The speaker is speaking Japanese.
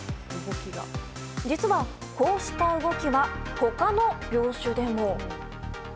実は、こうした動きは他の業種でも。